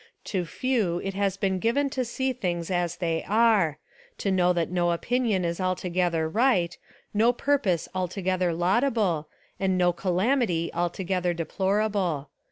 To few it has been given to see things as they are, to know that no opinion is altogether right, no purpose altogether laudable, and no calam ity altogether deplorable.